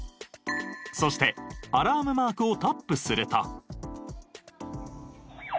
そしてアラームマークをタップすると。